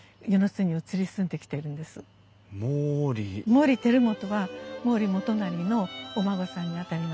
毛利輝元は毛利元就のお孫さんにあたります。